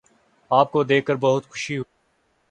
آپ کو دیکھ کر بہت خوشی ہوئی